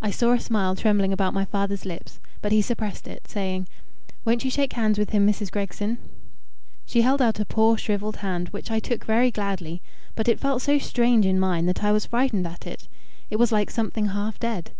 I saw a smile trembling about my father's lips, but he suppressed it, saying, "Won't you shake hands with him, Mrs. Gregson?" She held out a poor shrivelled hand, which I took very gladly; but it felt so strange in mine that I was frightened at it: it was like something half dead.